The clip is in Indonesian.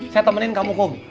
saya temenin kamu kum